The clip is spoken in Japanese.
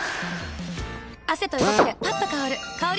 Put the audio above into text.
汗と動きでパッと香る香り